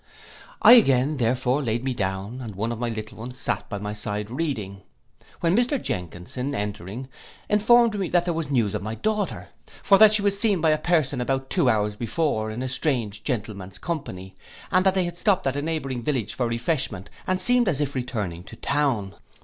I again, therefore laid me down, and one of my little ones sate by my bedside reading, when Mr Jenkinson entering, informed me that there was news of my daughter; for that she was seen by a person about two hours before in a strange gentleman's company, and that they had stopt at a neighbouring village for refreshment, and seemed as if returning to town.